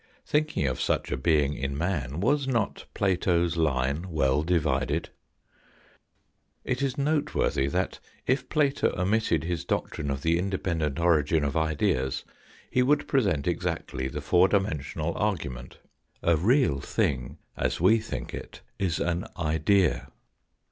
Thinking of such a being in man, was not Plato's line well divided ? It is noteworthy that, if Plato omitted his doctrine of the independent origin of ideas, he would present exactly the four dimensional argument; a real thing as we think it is an idea.